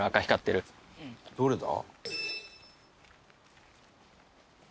「どれだ？」